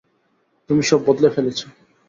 তুমি সব বদলে ফেলেছো।